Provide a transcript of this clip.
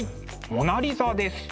「モナ・リザ」です。